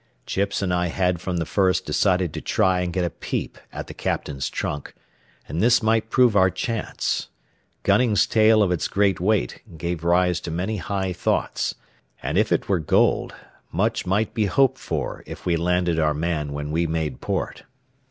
Chips and I had from the first decided to try and get a peep at the captain's trunk, and this might prove our chance. Gunning's tale of its great weight gave rise to many high thoughts; and if it were gold, much might be hoped for if we landed our man when we made port.